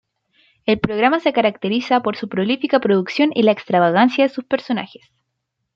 El programa se caracteriza por su prolífica producción y la extravagancia de sus personajes.